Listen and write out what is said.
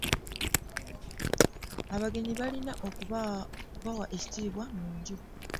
Abagenyi balina okubawa ekitiibwa mu nju.